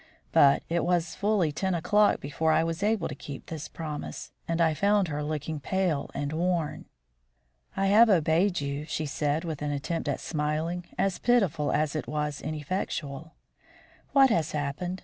But it was fully ten o'clock before I was able to keep this promise, and I found her looking pale and worn. "I have obeyed you," she said, with an attempt at smiling as pitiful as it was ineffectual. "What has happened?